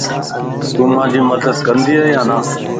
تون مانجي مدد ڪندي يا نا؟